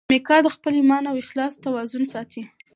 میکا د خپل ایمان او اخلاص توازن ساتي.